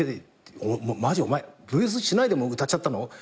お前ブレスしないで歌っちゃったの？